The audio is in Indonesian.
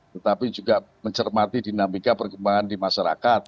tetapi juga mencermati dinamika perkembangan di masyarakat